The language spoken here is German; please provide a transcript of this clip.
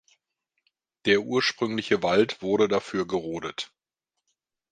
Der ursprüngliche Wald wurde dafür gerodet.